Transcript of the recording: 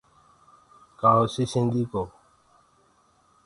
ڪآ هوسيٚ سنڌي ڪو